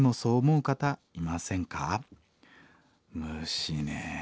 虫ね。